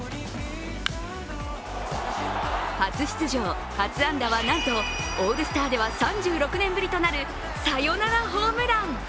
初出場、初安打はなんとオールスターでは３６年ぶりとなるサヨナラホームラン。